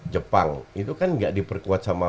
jepang itu kan gak diperkuat sama